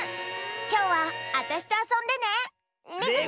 きょうはあたしとあそんでね！